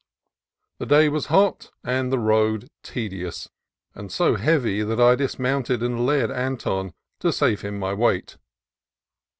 The day was hot and the road tedious, and so heavy that I dismounted and led Anton, to save him my weight.